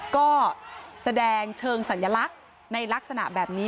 ก็แสดงเชิงสัญลักษณ์ในลักษณะแบบนี้